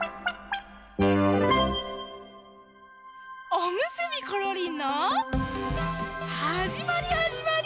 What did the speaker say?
「おむすびころりん」のはじまりはじまり。